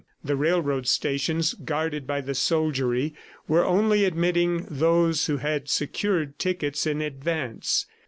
The railroad stations, guarded by the soldiery, were only admitting those who had secured tickets in advance.